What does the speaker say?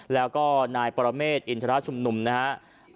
แล้วก็นายปรเมฆอินทรชุมนุมนะครับ